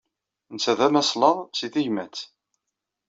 Netta d amaslaḍ seg tegmat.